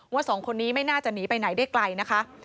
สองคนนี้ไม่น่าจะหนีไปไหนได้ไกลนะคะ